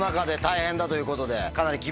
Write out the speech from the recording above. だということで。